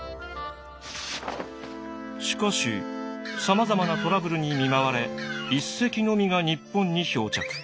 しかしさまざまなトラブルに見舞われ１隻のみが日本に漂着。